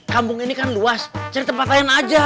kampung ini kan luas cari tempat lain aja